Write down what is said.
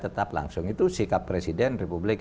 tetap langsung itu sikap presiden republik